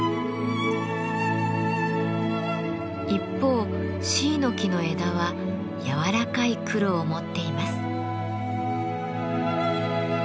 一方シイの木の枝はやわらかい黒を持っています。